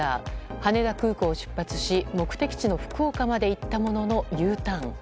羽田空港を出発し目的地の福岡まで行ったもののＵターン。